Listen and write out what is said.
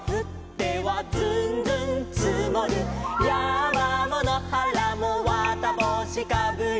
「やーまものはらもわたぼうしかぶり」